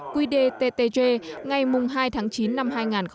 quy đề ttj ngày hai tháng chín năm hai nghìn một mươi tám